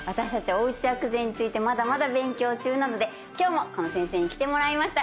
おうち薬膳についてまだまだ勉強中なので今日もこの先生に来てもらいました。